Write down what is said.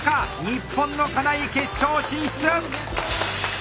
日本の金井決勝進出！